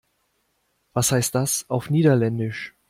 Was heißt das auf Niederländisch?